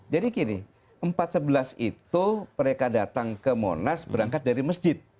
jadi begini empat sebelas itu mereka datang ke monas berangkat dari masjid